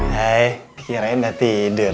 hai kirain udah tidur